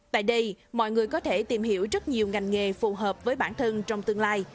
tại đây mọi người có thể tìm hiểu rất nhiều ngành nghề phù hợp với bản thân trong tương lai